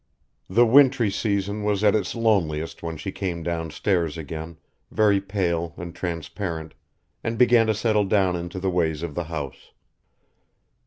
The wintry season was at its loneliest when she came downstairs again, very pale and transparent, and began to settle down into the ways of the house.